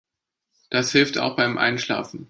Das hilft auch beim Einschlafen.